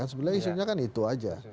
sebenarnya isunya kan itu aja